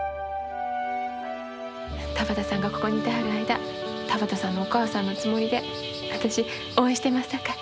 田畑さんがここにいてはる間田畑さんのお母さんのつもりで私応援してますさかい。